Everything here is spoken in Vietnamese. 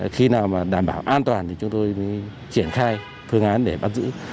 khi nào mà đảm bảo an toàn thì chúng tôi triển khai phương án để bắt giữ